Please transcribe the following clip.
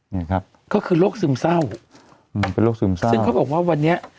นี่ครับก็คือโรคซึมเศร้าอืมเป็นโรคซึมเศร้าซึ่งเขาบอกว่าวันนี้